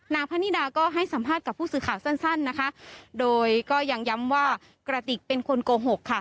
พระนิดาก็ให้สัมภาษณ์กับผู้สื่อข่าวสั้นนะคะโดยก็ยังย้ำว่ากระติกเป็นคนโกหกค่ะ